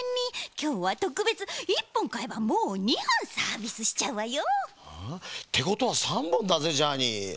きょうはとくべつ１ぽんかえばもう２ほんサービスしちゃうわよ。ってことは３ぼんだぜジャーニー。